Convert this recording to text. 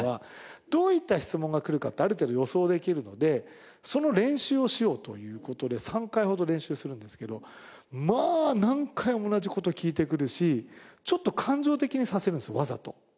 どういった質問が来るかってある程度予想できるのでその練習をしようという事で３回ほど練習するんですけどまあ何回も同じ事聞いてくるしちょっと感情的にさせるんですよわざと。